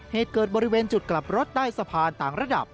เหตุเกิดบริเวณจุดกลับรถใต้สะพานต่างระดับ